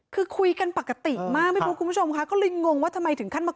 คือคุยกันปกติมากไม่รู้คุณผู้ชมค่ะก็เลยงงว่าทำไมถึงขั้นมา